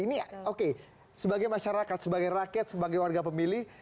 ini oke sebagai masyarakat sebagai rakyat sebagai warga pemilih